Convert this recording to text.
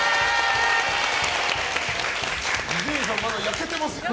伊集院さん、また焼けてますね。